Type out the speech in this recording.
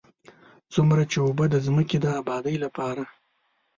څومره چې اوبه د ځمکې د ابادۍ لپاره.